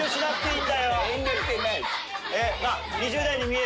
遠慮してないっす。